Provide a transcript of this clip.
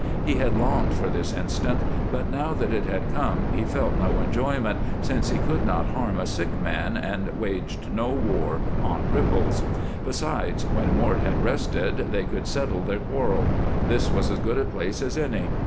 He had longed for this instant, but now that it had come he felt no enjoyment, since he could not harm a sick man and waged no war on cripples. Perhaps, when Mort had rested, they could settle their quarrel; this was as good a place as any.